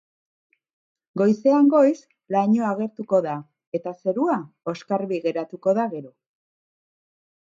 Goizean goiz, lainoa agertuko da, eta zerua oskarbi geratuko da gero.